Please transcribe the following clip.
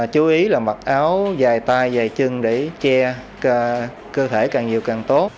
chú ý là mặc áo dài tay dài chân để che cơ thể càng nhiều càng tốt